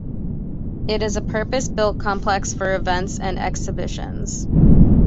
It is a purpose-built complex for events and exhibitions.